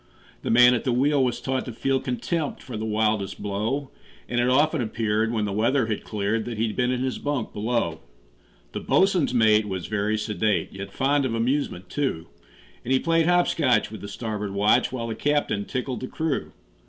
The man at the wheel was taught to feel Contempt for the wildest blow, And it often appeared, when the weather had cleared, That he'd been in his bunk below. The boatswain's mate was very sedate, Yet fond of amusement, too; And he played hop scotch with the starboard watch, While the captain tickled the crew.